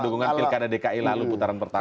dukungan pilkada dki lalu putaran pertama